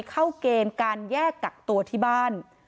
เข้าเกณฑ์การแยกกักตัวที่บ้าน